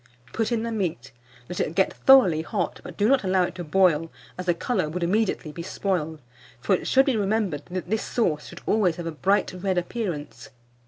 Put in the meat, let it get thoroughly hot, but do not allow it to boil, as the colour would immediately be spoiled; for it should be remembered that this sauce should always have a bright red appearance.